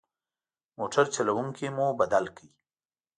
موټر چلوونکی مو بدل کړ.